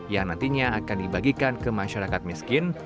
yang nantinya akan dibagikan ke masyarakat miskin